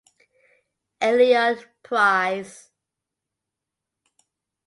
Eliot Prize.